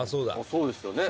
「そうですよね」